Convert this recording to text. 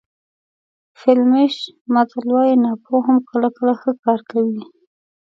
فلیمیش متل وایي ناپوه هم کله کله ښه کار کوي.